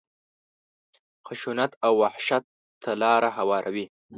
خشونت او وحشت ته لاره هواروي.